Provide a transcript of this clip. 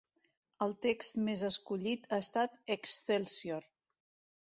El text més escollit ha estat «Excelsior».